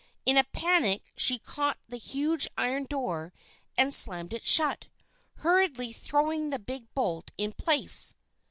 In a panic she caught the huge iron door and slammed it shut, hurriedly throwing the big bolt in place.